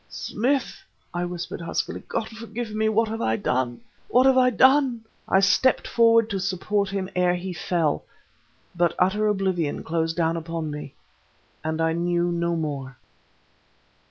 "Smith!" I whispered huskily "God forgive me, what have I done? What have I done?" I stepped forward to support him ere he fell; but utter oblivion closed down upon me, and I knew no more.